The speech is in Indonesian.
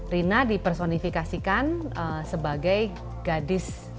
rina dipersonifikasikan sebagai gadis